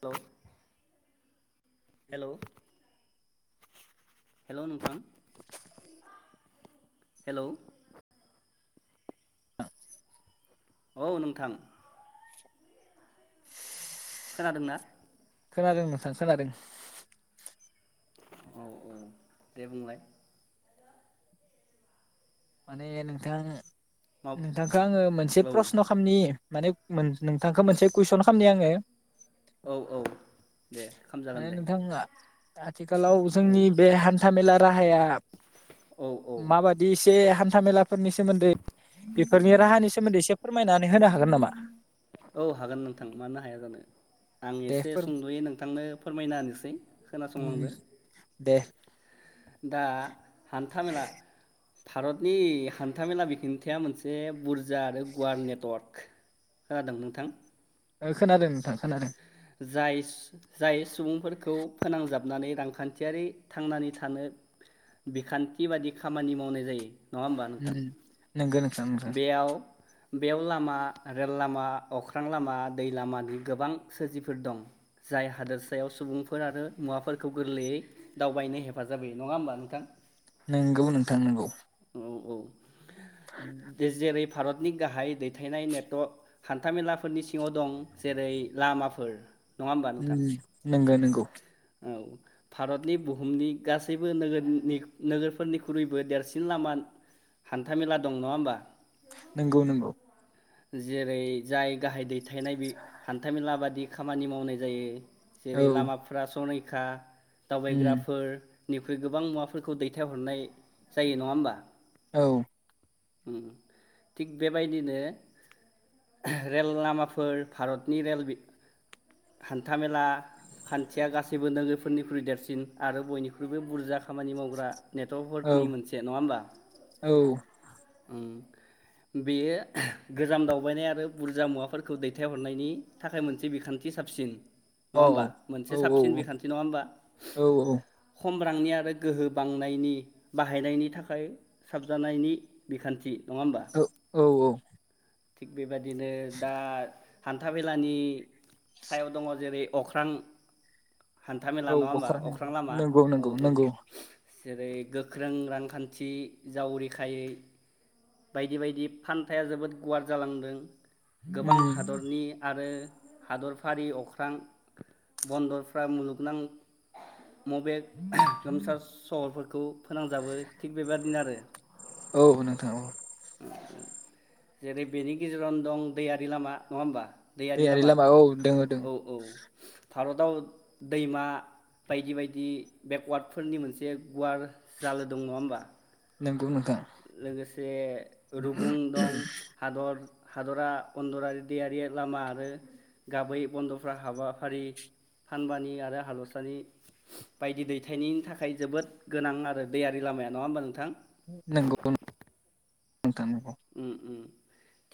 Hello hello हेल नोंथां, hello औ नोंथां। खोनादोंना? खोनादों नोंथां खोनादों। औ औ दे बुंलाय। माने नोंथां मा नोंथांखौ आङो मोनसे औ प्रस्न खालामनि। माने मोनसे नोंथांखौ मोनसे कुइसन खालामनि आङो। औ औ दे, खालाम जागोन दे। आथ आथिखालाव औ जोंनि बे हान्था मेला राहाया औ औ माबादि सो बे हान्था मेलाफोरनि सोमोन्दै बेफोरनि राहानि सोमोन्दै एसे फोरमायनानै होनो हागोन नामा? औ हागोन नोंथां मानो हाया जानो। आं दे एसे फोर सुंदयै नोंथांनो फोरमायना होनोसै उम खोनासंलांदो। दे। दा हान्था मेला भारतनि हान्थामेला बिखोन्थिया मोनसे बुरजा आरो गुवार नेटवर्क खोनादों नोंथां? ओ खोनादों नोंथां खोनादों। जाय जाय सुबुंफोरखौ फोनांजाबनानै रांखान्थियारि थांनानै थानो बिखान्थि बादि खामानि मावनाय जायो। नङा होमबा ओ नोंथां नंगौ नों बेयाव बेयाव लामा रेल लामा अख्रां लामा दै लामानि गोबां सोरजिफोर दं जाय हादोरसायाव सुबुंफोर आरो मुवाफोरखौ गोरलैयै दावबायनो हेफाजाब होयो नङा होनबा नोंथां। नोंगौ नोंथां नंगौ औ औ जेरै भारतनि गाहाय दैथायनाय नेटवर्क हान्थामेलाफोरनि सिङाव दं जेरै लामाफोर नङा होमबा उम नोंथां नोंगौ नों [unintelligible] औ भारतनि बुहुमनि गासैबो नोगोरनि नोगोरफोरनिख्रुइबो देरसिन लामा हान्थामेला दं नङा होमबा नोंगौ नोंगौ। जेरै जाय गाहाय दै थेनाय बे हान्थ मेला बादि खामानि मावनाय जायो औ जेरै लामा संरैखा उम दावबायग्राफोर निख्रुइ गोबां मुवाफोरखौ दैथायहरनाय जायो नङा होमबा औ थिग बेबायदिनो रेल लामाफोर भारतनि रेल हान्थामेला खान्थिया गासैबो नोगोरफोरनिख्रुइ देरसिन आरो बयनिख्रुइबो बुरजा खामानि मावग्रा औ नेटवर्कफोरनि मोनसे नङा होमबा औ बेयो गोजाम दावबायनाय आरो बुरजा मुवाफोरखौ दैथायहरनायनि थाखाय मोनसे बिखान्थि साबसिन औ नङा होमबा मोनसे औ औ साबसिन बिखान्थि नङा औ होमबा खम रांनि आरो गोहो बांनायनि बाहायनायनि थाखाय साबजानायनि बिखान्थि। नङा होमबा औ औ औ थिग बेबायाददिनो दा हान्था मेलानि सायाव दङ जेरै अख्रां हान्थामेला औ नङा होमबा बखरनि अख्रां लामा नंगौ औ नंगौ औ नंगौ जेरै गोख्रों रांखान्थि जावरिखायै बायदि बायदि फान्थाया जोबोद गुवार जालांदों। गोबां उम हादरनि आरो हादरफारि अख्रां बन्दरफ्रा मुलुगनां मबे लोमसार सहरफोरखौ फोनांजाबो थिग बेबादिनो आरो औ नोंथां औ। जेरै बेनि गेजेरावनो दं दैयारि लामा नङा होमबा? दैयारि लामा औ दोङो दोङो औ औ। भारताव दैमा बायदि बायदि बेकवार्डफोरनि मोनसे गुवार जालो दं नङा होमबा? नोंगौ नोंथां। लोगोसे रुगुं दं हादर हादरा अन्दरारि दैयारि लामा आरो गाबै बन्दफ्रा हाबाफारि फानबानि आरो हालसानि बायदि दैथायनि थाखाय जोबोद गोनां आरो दैयारि लामाया नङा होमबा नोंथां? नंगौ [unintelligible] उम उम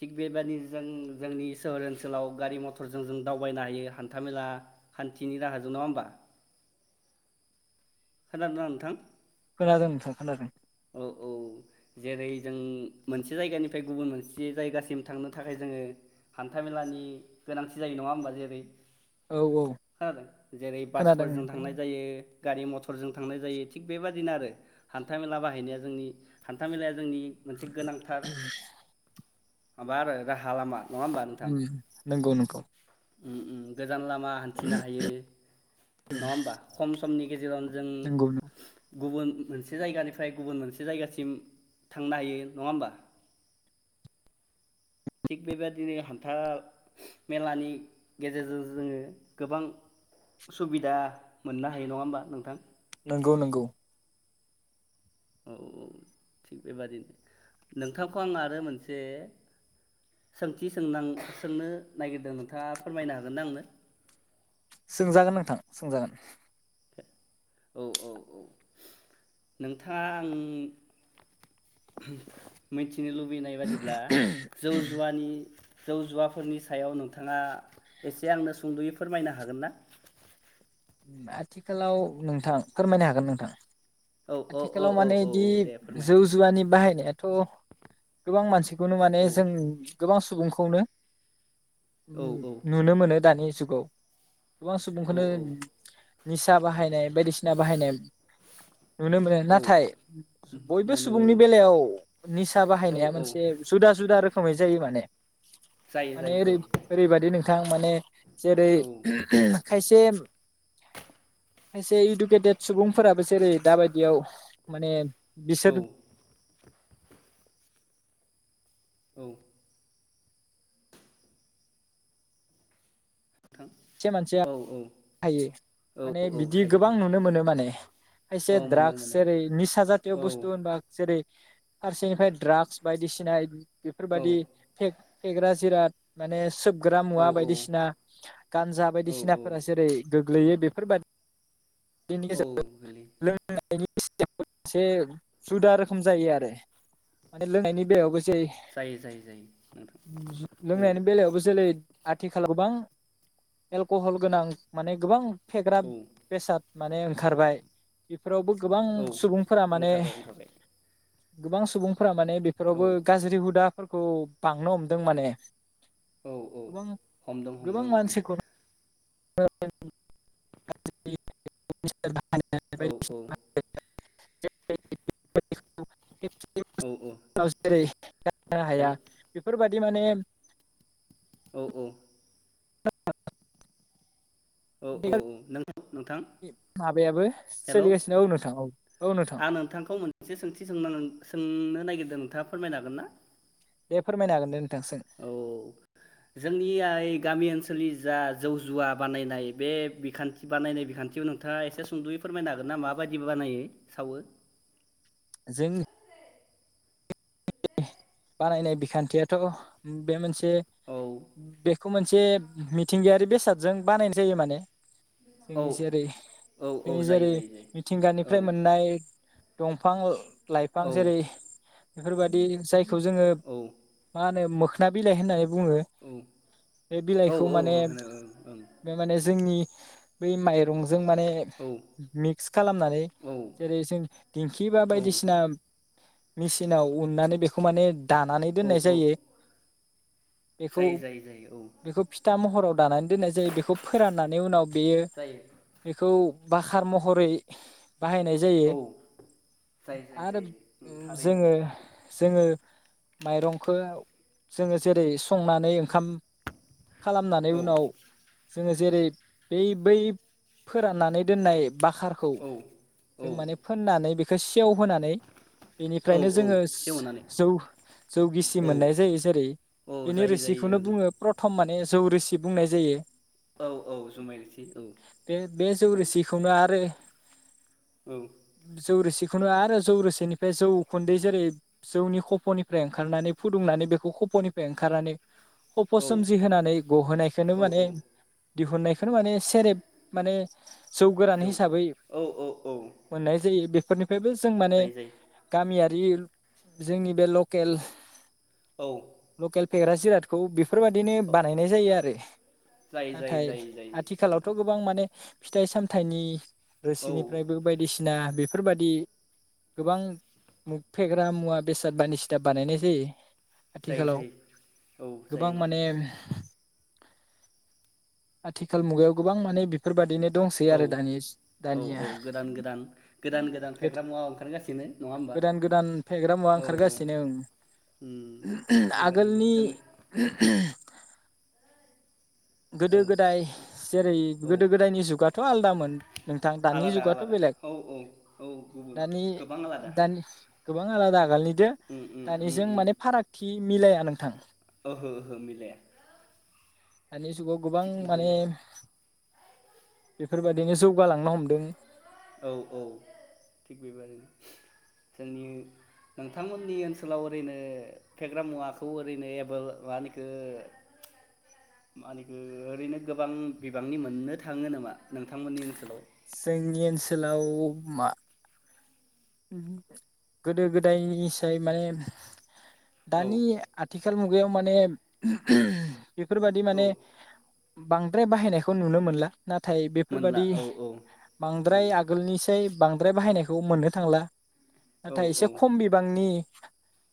थिग बेबादिनो जों जोंनि सोहोर ओनसोलाव गारि मथरजों जों दावबायनो हायो हान्थामेला खान्थिनि राहाजों नङा होमबा? खोनादोंना नोंथां? खोनादों नोंथां खोनादों। औ औ जेरै जों मोनसे जायगानिफ्राय गुबुन मोनसे जायगासिम थांनो थाखाय जोङो हान्था मेलानि गोनांथि जायो नङा होमबा? जेरै औ औ खोनादों जेरै खोनादों बासफोरजों थांनाय खोनादों जायो। गारि मथरजों थांनाय जायो थिग बेबादिनो आरो हान्थामेला बाहाय बाहायनाया जोंनि हान्थामेलाया जोंनि मोनसे गोनांथार माबा आरो राहा लामा। नङा होमबा नोंथां उम नंगौ नंगौ। उम उम गोजान लामा हान्थिनो हायो नङा होमबा? खम समनि गेजेरावनो जों नोंगौ गुबुन मोनसे जायगानिफ्राय फ्राय गुबुन मोनसे जायगासिम थांनो हायो नङा होमबा? थिग बेबादिनो हान्था मेलानि गेजेरजों जोङो गोबां सुबिदा मोननो हायो नङा होमबा नोंथां? नोंगौ नोंगौ। औ औ थिग बेबादिनो नोंथांखौ आं आरो मोनसे सोंथि सोंनां-सोंनो नागिरदों नोंथाङा फोरमायनो हागोन ना आंनो? सोंजागोन नोंथां सोंजागोन। औ औ औ नोंथाङा आं मिनथि मिथिनो लुबैनाय बादिब्ला जौ जुवानि जौ जुवाफोरनि सायाव नोंथाङा एसे आंनो सुंद'यै फोरमायनो हागोन ना? आथिखालाव नोंथां फोरमायनो हागोन नोंथां। औ औ औ आथिखालाव औ माने औ इदि औ दे फोरमाय जौ जुवानि बाहायनाय थ गोबां मानसिखौनो माने औ जों गोबां सुबुंखौनो औ औ नुनो मोनो दानि जुगाव गोबां औ सुबुंखोनो निसा बाहायनाय बायदिसिना बाहायनाय नुनो मोनो औ नाथाय बयबो मोनो सुबुंनि बेलायाव निसा औ बाहायनाया औ मोनसे जुदा जुदा रोख खोमै जायो माने जायो माने जायो जायो ओरै-ओरैबादि नोंथां माने जेरै औ खायसे [inaudible] खायसे इदुकेटेट सुबुंफोराबो जेरै दाबायदियाव माने औ बिसोर औ नोंथां से मानसिया औ थायो औ माने बिदि थायो गोबां थायो नुनो मोनो माने खायसे औ मोनो द्राग्स मोनो जेरै निसा जातिय बुस्तु औ होनबा जेरै फारसेनिफ्राय दड्राग्स बायदिसिना औ बेफोरबादि फे-फेग्रा जिराद माने सोब ग्रा औ मुवा बायदिसिना जा औ बायदिसिनाफोरा जेरै गो गोग्लैयै बेफोरबा दिनि औ गेजेरावबो गोरलै लोंनाय से जुदा रोखोम जायो आरो माने लोंनायनि बेलायावबो जै जायो जायो जायो नोंथां जु औ लोंनायनि बेलायावबो जेलै आथिखालाव बां एलकहल गोनां माने गोबां फेग्रा औ बेसाद माने ओंखारबाय फोरावबो गोबां औ सुबुंफोरा माने ओंखारबाय ओंखारबाय गोबां सुबुं फोरा माने औ बेफोरावबो गाज्रि हुदा फोरखौ बांनो हमदों माने औ औ गोबां हमदों गोबां हमदों नोंथां मानसिखौ [unintelligible] [unintelligible] [unintelligible] [unintelligible] औ औ औ औ हेल' [unintelligible] बि माने औ औ औ औ औ नों नोंथां माबायाबो हेलौ सोलिगासिनो औ नोंथां औ औ नोंथां आं नोंथांखौ मोनसे सोंथि सोंनो सों नो नायगिरदो नोंथाङा फोरमायनो हागोनना बे फोरमायनो हागोन नों औ जोंनियाय गामि ओनसोलनि जा जौ जुवा बानायनाय बे बेखान्थि बानायनाय बिखान्थियाव नोंथाङा एसे सुंदयै फोरमायनो हागोन ना माबायदि बानायो सावो जों [unintelligible] बानायनाय बिखान्थियाथ बे मोनसे ए औ बेखौ मोन से मिथिंगायारि बेसादजों बानायन जायो माने औ जोंनि जेरै औ जोंनि औ जायो जेरै जायो जायो औ मिथिंगानिफ्राय मोननाय दंफां लाइफां औ जेरै बेफोरबायदि जाय खौ जोङो औ मा होनो मोख खोना बिलाइ होननानै बुङो औ बे औ बिलाइखौ माने औ होनो बे माने जोंनि बेै माइरं जों माने ओं मिक्स खालामनानै ओं जेरै जों दिंखि बा औ बायदिसिना मिस इनाव उननानै बेखौ माने दानानै औ दोननाय औ जायो बेखौ जायो जायो जायो औ बेखौ फिथा महराव दानानै दोननाय जायो बेखौ फोराननानै उनाव बेयो जायो बेखौ बाखार महरै बाहायनाय जायो औ जायो जायो आरो जायो थारैनो जोङो जोङो माइरंखौ जोङो जेरै संनानै ओंखाम खालामनानै औ उनाव जोङो जेरै बै बै फोराननानै दोननाय बाकारखौ औ जों औ माने फोननानै बे खो सेवहोनानै औ बेनिफ्रायनो जोङो औ सेवनानै जौ जौ गिसि औ मोननाय जायो जेरै औ बेनि जायो जायो रोसिखौनो ओं बुङो प्रथ खम माने जौ रोसि बुंनाय जायो। औ औ जुमाय रोसि औ बे बे जौ औ रोसिखौनो आरो औ जौरोसि बेखौनो आरो जौ रोसेनि बे जौखुन्दै जेरै जौनि खफ'निफ्राय ओंखारनानै फुदुंनानै बेखौ खफ'निफ्राय ओंखारनानै खप' औ सोमजि होनानै गहोनायखौनो औ माने औ दिहुननायखौनो माने सेरेब माने जौ गोरान हिसाबै औ औ मोननाय जायो बे बेबो जों माने जायो जायो गामिया रि जोंनि बे लकेल औ लकेल फेग्रा जिरादखौ बेफोरबादिनो बानायनाय जायो आरो जायो जायो नाथाय जायो जायो आथिखालावथ' नोंथां गोबां माने फिथाइ सामथाइनि औ रोसिनिफ्रायबो बायदिसिना बे बेफोरबादि गोबां मु फेग्रा मुवा बेसाद बानदिसिना बानायनाय जायो। जायो आथिखालाव जायो औ जायो गोबां नोंथां माने आथिखाल मुगायाव गोबां माने बि औ औ औ दानिया गोदान गोदान गोदान गोदान फेग्रा मुवा ओंखारगासिनो। नङा होमबा गोदान गोदान फेग्रा मुवा औ औ ओंखारगासिनो उम ओं थिग बेबादिनो आगोलनि जों गोदो गोदाय जेरै औ गोदो गोदायनि जुगाथ' आलदामोन नोंथां दानि आलादा जुगाथ' आलादा बेलेग औ औ औ गुबुन दानि गोबां आलादा दानि गोबां आलादा आगालनि उम [unintelligible] उम उम दानिजों उम माने फारागथि [unintelligible] मिलाया नोंथां। ओहो ओहो मिलाया। दानि जुगाव गोबां थिग माने बिदिनो बेफोरबायदिनो जौगालांनो हमदों। औ औ थिग बेबायदिनो जोंनि नोंथांमोननि ओनसोलाव ओरैनो फेग्रा मुवाखौ ओरैनो एबा मा ओनो इखो मा ओनो इखो ओरैनो गोबां बिबांनि मोननो थाङो नामा नोंथांमोननि ओनसोलाव? जोंनि ओनसोलाव मा गोदो गोदायनिसाय माने औ दानि आथिखाल मु गायाव माने बेफोरबादि औ माने बांद्राय बाहायनायखौ नुनो मोनला नाथाय मोनला बेफोरबादि औ औ बांद्राय नंगौ आगोलनिसाय बांद्राय बाहायनायखौ मोननो थांला औ नाथाय एसे औ खम बिबांनि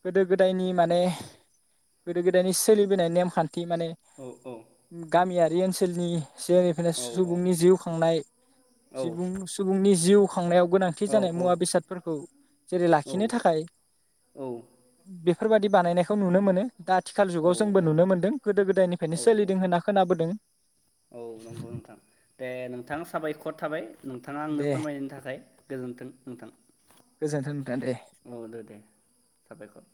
गोदो गोदायनि माने गोदो गोदायनि सोलिबोनाय नेमखा न्थि माने औ औ गामिया बे ओनसोलनि सिगांनिफ्रायनो औ सुबुंनि जिउ खांनाय सुबुं सुबुंनि जिउ खांनायाव गोनांथि जानाय औ मुवा- बेसादफोरखौ जेरै औ लाखिनो थाखाय बे औ बेफोरबायादि बानायनायखौ नुनो मोनो दा आथिखाल औ जुगाव जोंबो नुनो मोन्दों गोदो गोदायनिफ्रायनो औ सोलिदों होनना खोनाबोदों औ नंगौ नोंथां दे नोंथां साबाय खर थाबाय नोंथाङा आंनो दे फोरमायनायनि थाखाय गोजोन्थों नोंथां गोजोन्थों नोंथां दे। औ दो दे साबायखर